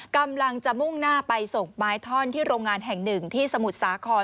กำลังจะมุ่งหน้าไปส่งไม้ท่อนที่โรงงานแห่งหนึ่งที่สมุทรสาคร